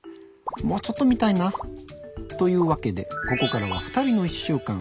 もうちょっと見たいな。というわけでここからは「ふたりの１週間」。